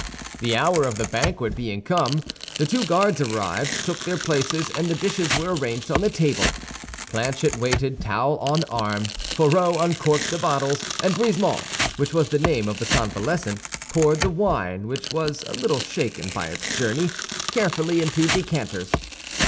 The hour of the banquet being come, the two guards arrived, took their places, and the dishes were arranged on the table. Planchet waited, towel on arm; Fourreau uncorked the bottles; and Brisemont, which was the name of the convalescent, poured the wine, which was a little shaken by its journey, carefully into decanters.